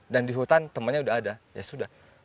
dan di hutan temannya udah ada ya sudah